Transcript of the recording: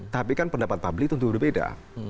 tapi kan pendapat publik tentu berbeda